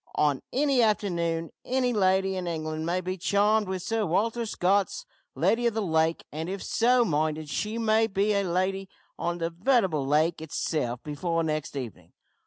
On any afternoon any lady in England may be charmed with Sir Walter Scott's `Lady of the Lake,' and, if so minded, she may be a lady on the veritable lake itself before next evening!